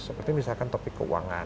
seperti misalkan topik keuangan